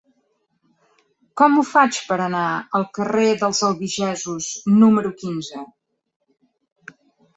Com ho faig per anar al carrer dels Albigesos número quinze?